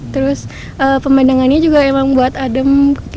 terus pemandangannya juga emang buat adem